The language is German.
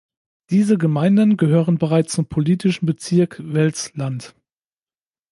Diese Gemeinden gehören bereits zum politischen Bezirk Wels-Land.